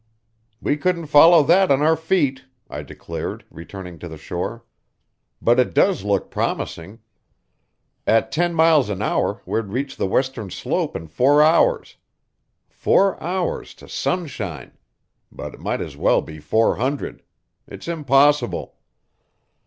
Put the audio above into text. "We couldn't follow that on our feet," I declared, returning to the shore. "But it does look promising. At ten miles an hour we'd reach the western slope in four hours. Four hours to sunshine but it might as well be four hundred. It's impossible."